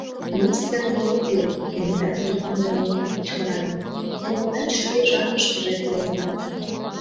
Мистер Врунгель, — кенета тудо кумыл нӧлтын кычкырале, — те лач шке жапыштыже толында!